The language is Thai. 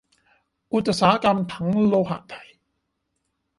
อุตสาหกรรมถังโลหะไทย